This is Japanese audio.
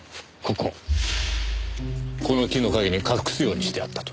この木の陰に隠すようにしてあったと。